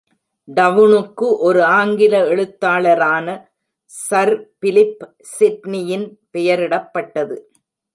டவுணுக்கு ஒரு ஆங்கில எழுத்தாளரான sir Philip சிட்னியின் பெயரிடப்பட்டது.